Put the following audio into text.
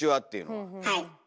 はい。